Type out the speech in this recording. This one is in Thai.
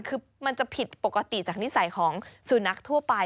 คือมันจะผิดปกติจากนิสัยของสุนัขทั่วไป